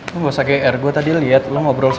lo gak usah ke er gue tadi liat lo ngobrol sama bokap gue